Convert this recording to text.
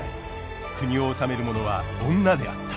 国を治める者は女であった。